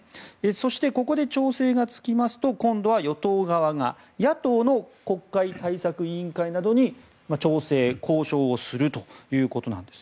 そして、ここで調整がつきますと今度は与党側が野党の国会対策委員会などに調整、交渉をするということです。